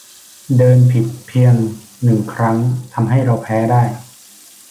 เดินผิดเพียงหนึ่งครั้งทำให้เราแพ้ได้